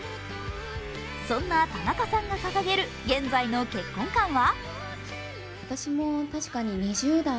そんな田中さんが掲げる現在の結婚観は。